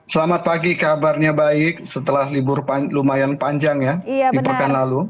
selamat pagi kabarnya baik setelah libur lumayan panjang ya di pekan lalu